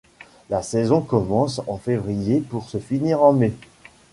La saison commence en février pour se finir en mai.